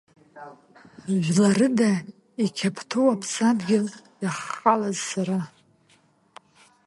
Жәларыда, иқьаԥҭоу аԥсадгьыл иаххалаз сара.